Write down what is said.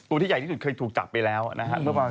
ตัวที่ใหญ่ที่สุดเคยถูกกลับไปแล้วนะฮะ